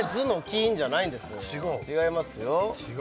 違いますよ